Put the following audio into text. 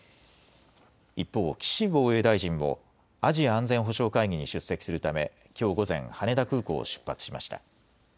一方、岸防衛大臣もアジア安全保障会議に出席するためきょう午前、羽田空港を出発しました。